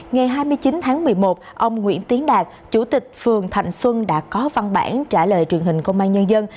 ngày hai mươi chín tháng một mươi một ông nguyễn tiến đạt chủ tịch phường thạnh xuân đã có văn bản trả lời truyền hình công an nhân dân